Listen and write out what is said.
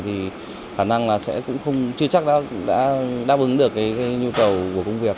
thì khả năng là sẽ cũng chưa chắc đã đáp ứng được cái nhu cầu của công việc